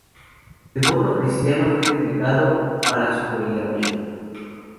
Devoto cristiano, fue criticado para su poligamia.